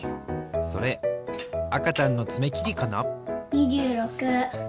それあかちゃんのつめきりかな？